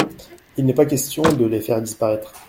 Il n’est pas question de les faire disparaître.